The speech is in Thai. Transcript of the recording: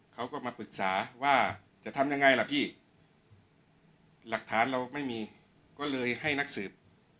เขาก็มาปรึกษาว่าจะทำยังไงล่ะพี่หลักฐานเราไม่มีก็เลยให้นักสืบ